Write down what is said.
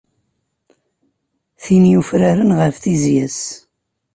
Tin yufraren ɣef tizya-s.